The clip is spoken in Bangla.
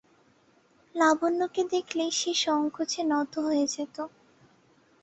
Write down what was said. লাবণ্যকে দেখলে সে সংকোচে নত হয়ে যেত।